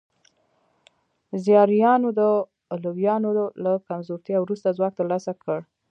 زیاریانو د علویانو له کمزورتیا وروسته ځواک ترلاسه کړ.